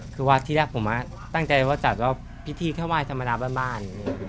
คือวัดที่แรกผมตั้งใจว่าจัดว่าพิธีเข้าไหว้ธรรมดาบ้าน